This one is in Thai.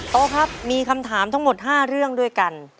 โต๊ครับมีคำถามทั้งหมด๕เรื่องด้วยกัน